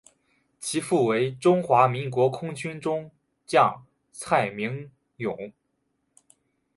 其父为中华民国空军中将蔡名永。